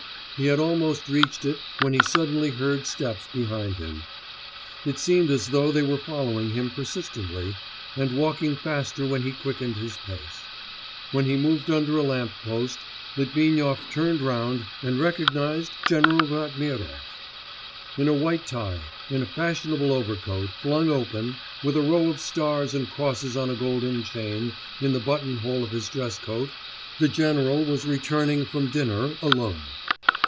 He had almost reached it when he suddenly heard steps behind him. It seemed as though they were following him persistently, and walking faster when he quickened his pace. When he moved under a lamp post Litvinov turned round and recognised General Ratmirov. In a white tie, in a fashionable overcoat, flung open, with a row of stars and crosses on a golden chain in the buttonhole of his dresscoat, the general was returning from dinner, alone.